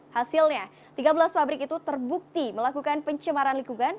hasilnya tiga belas pabrik itu terbukti melakukan pencemaran lingkungan